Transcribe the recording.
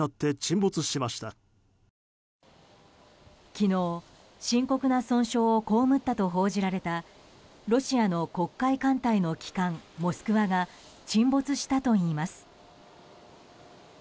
昨日、深刻な損傷を被ったと報じられたロシアの黒海艦隊の旗艦「モスクワ」が沈没したといいます。